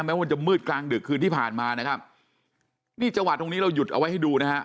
มันจะมืดกลางดึกคืนที่ผ่านมานะครับนี่จังหวะตรงนี้เราหยุดเอาไว้ให้ดูนะฮะ